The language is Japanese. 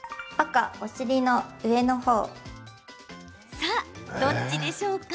さあ、どっちでしょうか？